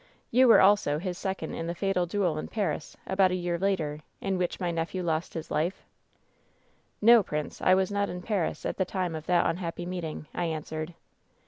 You were also his second in the fatal duel in Paris, about a year later, in which my nephew lost his life V '^ ^No, prince. I was not in Paris at the time of that unhappy meeting/ I answered.